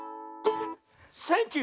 「センキュー！」